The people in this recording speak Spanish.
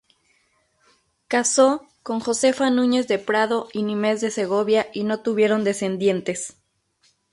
Casó con Josefa Núñez de Prado y Nimes de Segovia y no tuvieron descendientes.